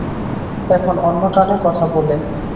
এখন অন্য টানে কথা বলে।